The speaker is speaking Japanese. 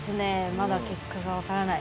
まだ結果が分からない。